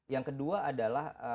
yang kedua adalah